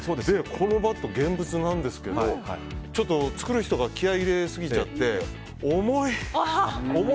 このバット現物なんですけどちょっと作る人が気合い入れすぎちゃって重い。